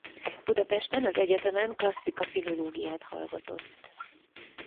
Budapesten az egyetemen klasszika-filológiát hallgatott.